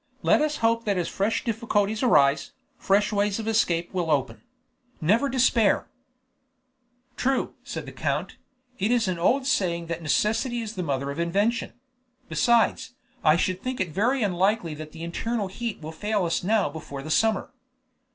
Let us hope that as fresh difficulties arise, fresh ways of escape will open. Never despair!" "True," said the count; "it is an old saying that 'Necessity is the mother of invention.' Besides, I should think it very unlikely that the internal heat will fail us now before the summer."